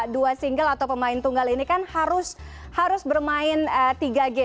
dua single atau pemain tunggal ini kan harus bermain tiga game